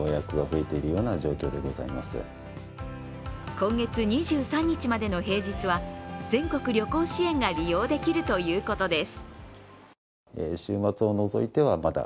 今月２３日までの平日は全国旅行支援が利用できるということです。